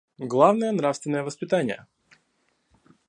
Главное — нравственное воспитание.